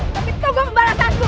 tapi kau membalas aku